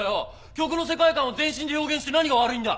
曲の世界観を全身で表現して何が悪いんだ！？